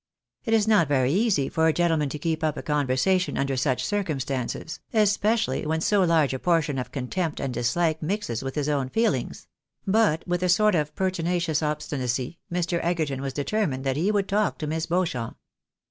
It is not very easy for a gentleman to keep up a conversa tion under such circumstances, especially when so large a portion of contempt and dislike mixes with his own feelings ; but, with a sort of pertinacious obstinacy, Mr. Egerton was determined that he would talk to Miss Beauchamp.